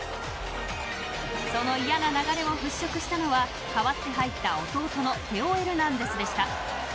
その嫌な流れを払拭したのは代わって入った弟のテオ・エルナンデスでした。